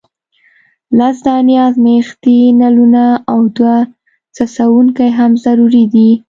لس دانې ازمیښتي نلونه او دوه څڅونکي هم ضروري دي.